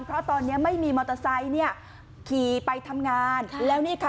เพราะตอนนี้ไม่มีมอเตอร์ไซค์เนี่ยขี่ไปทำงานแล้วนี่ค่ะ